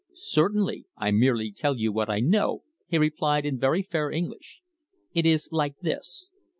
"Certainly. I merely tell you what I know," he replied in very fair English. "It is like this.